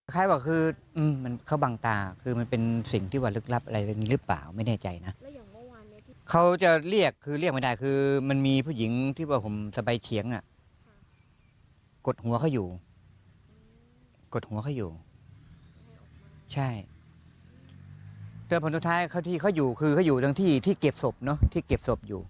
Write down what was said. เจ้าผนตุดท้ายที่เขาอยู่ครับคืออยู่ที่เก็บศพ